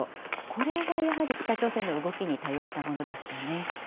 これはやはり北朝鮮の動きに対応したものですかね。